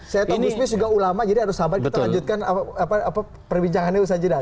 saya tahu musmi juga ulama jadi harus sabar kita lanjutkan perbincangannya usha jeddah